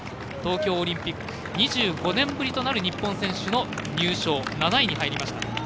東京オリンピック２５年ぶりとなる日本選手の入賞、７位に入りました。